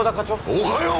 おはよう！